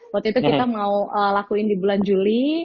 waktu itu kita mau lakuin di bulan juli